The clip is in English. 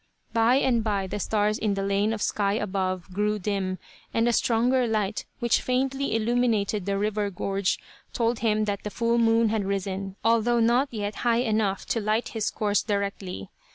By and by the stars in the lane of sky above grew dim, and a stronger light, which faintly illuminated the river gorge, told him that the full moon had risen, although not yet high enough to light his course directly.